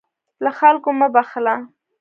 له خلکو مه بخله.